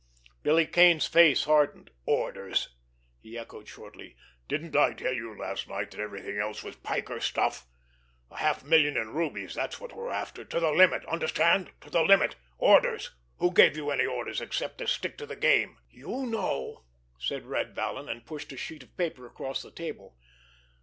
Billy Kane's face hardened. "Orders!" he echoed shortly. "Didn't I tell you last night that everything else was piker stuff? A half million in rubies, that's what we're after—to the limit! Understand? To the limit! Orders! Who gave you any orders except to stick to the game?" "You know," said Red Vallon, and pushed a sheet of paper across the table.